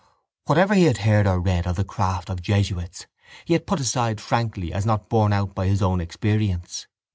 Whatever he had heard or read of the craft of jesuits he had put aside frankly as not borne out by his own experience.